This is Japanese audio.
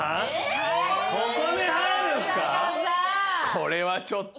これはちょっと。